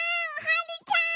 はるちゃん！